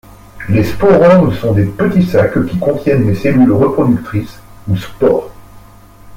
Les sporanges sont des petits sacs qui contiennent les cellules reproductrices, ou spores.